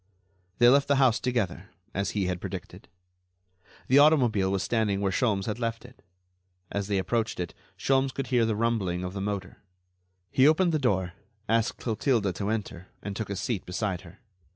They left the house together, as he had predicted. The automobile was standing where Sholmes had left it. As they approached it, Sholmes could hear the rumbling of the motor. He opened the door, asked Clotilde to enter, and took a seat beside her.